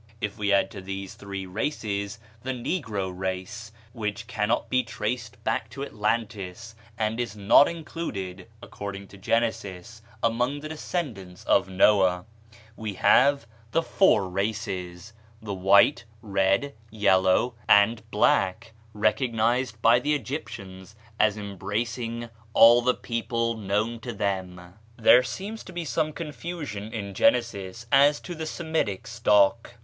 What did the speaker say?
If we add to these three races the negro race which cannot be traced back to Atlantis, and is not included, according to Genesis, among the descendants of Noah we have the four races, the white, red, yellow, and black, recognized by the Egyptians as embracing all the people known to them. There seems to be some confusion in Genesis as to the Semitic stock.